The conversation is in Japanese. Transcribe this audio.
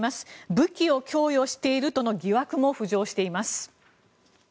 武器を供与しているとの疑惑も浮上しています。